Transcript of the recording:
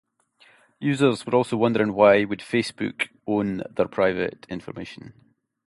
Users were also wondering why would Facebook own their private information.